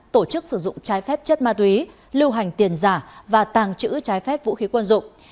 tổ chức sử dụng trái phép chất ma túy lưu hành tiền giả và tàng trữ trái phép vũ khí quân dụng